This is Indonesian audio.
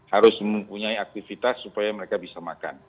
harus mempunyai aktivitas supaya mereka bisa makan